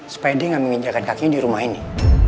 supaya dia nggak menginjakan kakinya di rumah ini